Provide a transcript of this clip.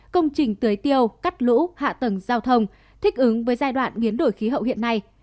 công trình tưới tiêu cắt lũ hạ tầng giao thông thích ứng với giai đoạn biến đổi khí hậu hiện nay